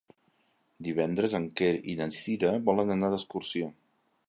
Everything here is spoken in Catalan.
Divendres en Quer i na Cira volen anar d'excursió.